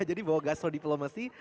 jadi bawa gastro diplomacy